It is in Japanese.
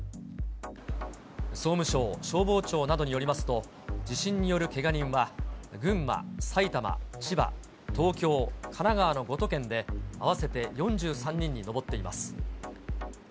総務省消防庁などによりますと、地震によるけが人は、群馬、埼玉、千葉、東京、神奈川の５都県で、合わせて４３人に上っています。